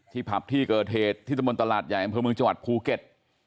ผับที่เกิดเหตุที่ตะมนตลาดใหญ่อำเภอเมืองจังหวัดภูเก็ต